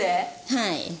はい。